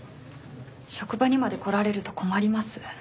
職場にまで来られると困ります。